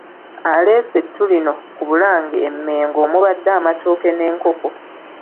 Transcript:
Aleese ettu lino ku Bulange e Mmengo omubadde amatooke n'enkoko.